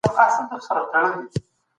استادان د نورو څانګو تجربې کاروي.